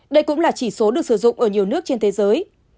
đây cũng là chỉ số được sử dụng ở nhiều nước trên thế giới